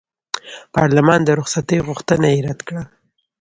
پارلمان د رخصتۍ غوښتنه یې رد کړه.